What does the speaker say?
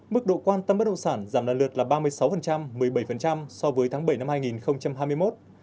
mức độ quan tâm bất động sản giảm lần lượt là ba mươi sáu một mươi bảy so với tháng bảy năm hai nghìn hai mươi một